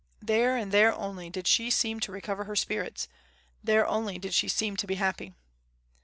There, and there only, did she seem to recover her spirits; there only did she seem to be happy.